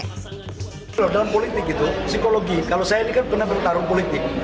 kalau dalam politik itu psikologi kalau saya ini kan pernah bertarung politik